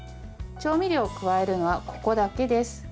調味料を加えるのはここだけです。